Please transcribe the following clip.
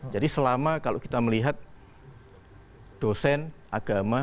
jadi selama kalau kita melihat dosen agama